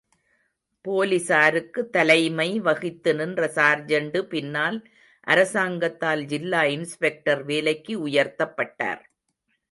போலிஸாருக்கு தலைமை வகித்து நின்ற சார்ஜெண்டு பின்னால் அரசாங்கத்தால் ஜில்லா இன்ஸ்பெக்டர் வேலைக்கு உயர்த்தப்பட்டார்.